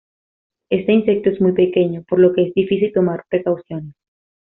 Este insecto es muy pequeño, por lo que es difícil tomar precauciones.